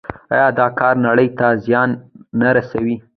آیا دا کار نړۍ ته زیان نه رسوي؟